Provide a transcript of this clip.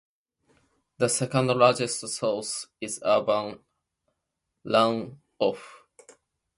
The second largest source is urban runoff.